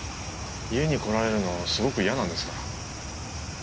家に来られるのすごく嫌なんですが。